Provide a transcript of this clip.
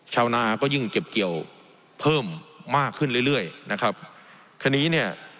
ชาวนาก็ยิ่งเก็บเกี่ยวเพิ่มมากขึ้นเรื่อยเรื่อยนะครับคราวนี้เนี่ย